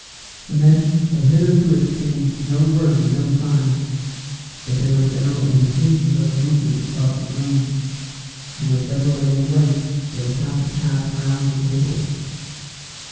The men had hitherto exchanged no words and no signs, but there were general indications of a movement across the room, and whichever way they went they would have to pass round the table.